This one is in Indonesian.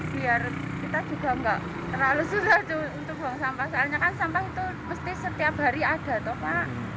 biar kita juga tidak terlalu sulit untuk membuang sampah soalnya kan sampah itu pasti setiap hari ada